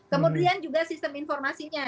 kemudian juga sistem informasinya